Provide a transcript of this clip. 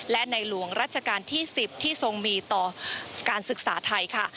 และในหลวงรัชกาลที่๑๐ที่ทรงมีต่อการศึกษาไทยค่ะ